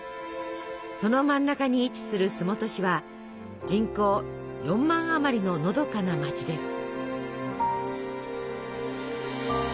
その真ん中に位置する洲本市は人口４万あまりののどかな街です。